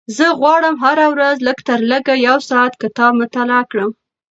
زه غواړم هره ورځ لږترلږه یو ساعت کتاب مطالعه کړم.